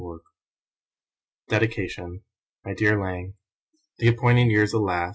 277. DEDICATION My dear Lang, The appointed years alas!